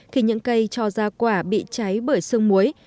khi những cây cho ra quả bị cháy bởi sương muối